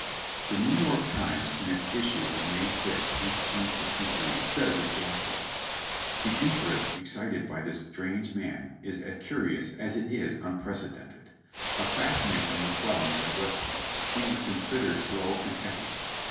The New York Times, in its issue of May 5th, 1863, says of Jackson : "The interest excited by this strange man is as curious as it is unprecedented. A class mate of McClellan's at West Point, he was considered slow and heavy.